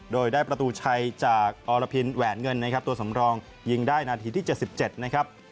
โดยได้ประตูชัยจากอรพินแหวนเงินนะครับตัวสำรองยิงได้นาทีที่๗๗นะครับ